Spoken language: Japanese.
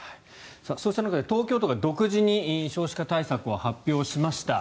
そうした中で東京都が独自で少子化対策を発表しました。